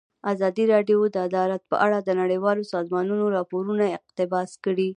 ازادي راډیو د عدالت په اړه د نړیوالو سازمانونو راپورونه اقتباس کړي.